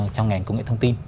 trong ngành công nghệ thông tin